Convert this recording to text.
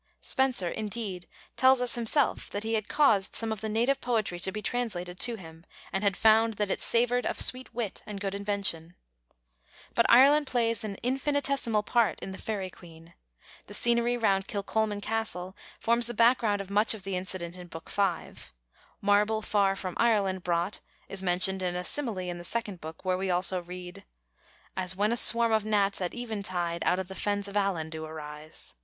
Spenser, indeed, tells us himself that he had caused some of the native poetry to be translated to him, and had found that it "savoured of sweet wit and good invention." But Ireland plays an infinitesimal part in the Faerie Queene. The scenery round Kilcolman Castle forms the background of much of the incident in Book V. "Marble far from Ireland brought" is mentioned in a simile in the second Book, where we also read: As when a swarme of gnats at eventide Out of the fennes of Allan do arise.